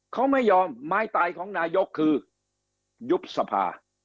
เขาไม่ยอมไม้ตายของนายกคือยุบสภา